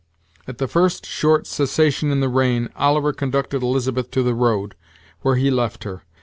At the first short cessation in the rain, Oliver conducted Elizabeth to the road, where he left her.